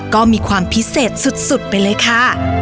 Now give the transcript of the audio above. ก็มีความพิเศษสุดไปเลยค่ะ